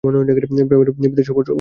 প্রেমের বিদেশ সফর সফল হয়েছে।